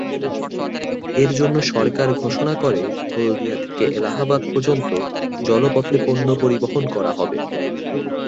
এর জন্য সরকার ঘোষণা করে হলদিয়া থেকে এলাহাবাদ পর্যন্ত জলপথে পন্য পরিবহন করা হবে।